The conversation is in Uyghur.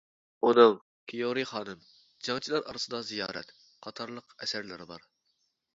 ئۇنىڭ «كىيۇرى خانىم» ، «جەڭچىلەر ئارىسىدا زىيارەت» قاتارلىق ئەسەرلىرى بار.